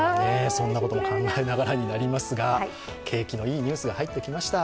そんなことも考えながらになりますが景気のいいニュースが入ってきました。